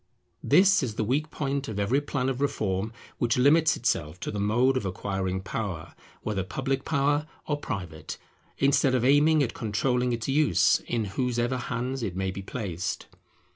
This is the weak point of every plan of reform which limits itself to the mode of acquiring power, whether public power or private, instead of aiming at controlling its use in whosever hands it may be placed.